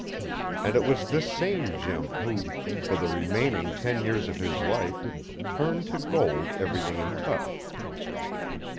And it was this same Jim who, for the remaining ten years of his life, turned to gold everything he touched.